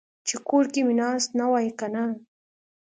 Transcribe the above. چې کور کې مې ناست نه وای کنه.